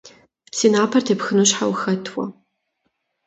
Си напэр тепхыну щхьэ ухэт уэ?